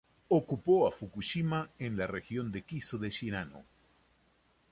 Ocupó a Fukushima en la región de Kiso de Shinano.